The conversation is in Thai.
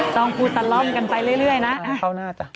จองพูดตลอดกันไปเรื่อยนะ